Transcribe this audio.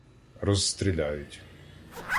розстріляють.